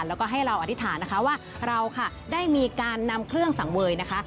แล้วก็ให้เราอธิษฐานนะคะว่าเราค่ะได้มีการนำเครื่องสังเวยนะคะ